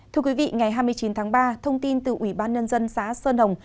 thưa quý vị ngày hai mươi chín tháng ba thông tin từ ủy ban nhân dân xã sơn hồng